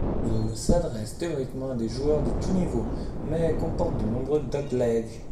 Il s'adresse théoriquement à des joueurs de tous niveaux, mais comporte de nombreux dogs-legs.